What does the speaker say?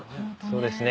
そうですね